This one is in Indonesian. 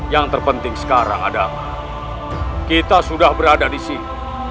yang terpenting sekarang adalah kita sudah berada di sini